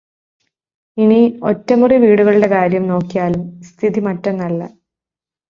ഇനി ഒറ്റമുറി വീടുകളുടെ കാര്യം നോക്കിയാലും സ്ഥിതി മറ്റൊന്നല്ല.